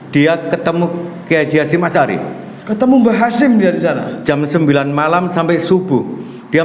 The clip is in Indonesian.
dia ketemu ke eji hasyim azari ketemu mbah hasim dari sana jam sembilan malam sampai subuh dia